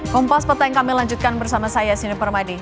kompas peta yang kami lanjutkan bersama saya sinu permadi